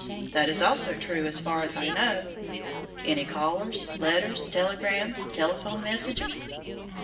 "That is also true, as far as I know." "Any callers? Letters? Telegrams? Telephone messages?"